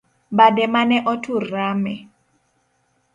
Bade mane otur rame